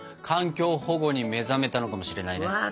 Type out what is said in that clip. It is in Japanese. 環境保護に目覚めたのかもしれないね。